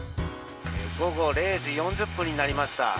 午後０時４０分になりました。